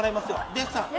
デッサン。